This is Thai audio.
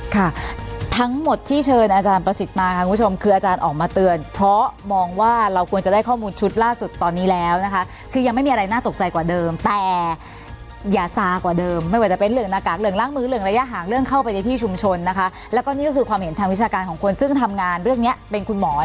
ค่ะทั้งหมดที่เชิญอาจารย์ประสิทธิ์มาค่ะคุณผู้ชมคืออาจารย์ออกมาเตือนเพราะมองว่าเราควรจะได้ข้อมูลชุดล่าสุดตอนนี้แล้วนะคะคือยังไม่มีอะไรน่าตกใจกว่าเดิมแต่อย่าซากว่าเดิมไม่ว่าจะเป็นเรื่องหน้ากากเหลืองล้างมือเหลืองระยะห่างเรื่องเข้าไปในที่ชุมชนนะคะแล้วก็นี่ก็คือความเห็นทางวิชาการของคนซึ่งทำงานเรื่องนี้เป็นคุณหมอ